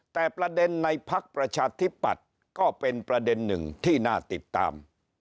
แต่ประเด็นในพักประชาธิปัตย์ก็เป็นประเด็นหนึ่งที่น่าติดตาม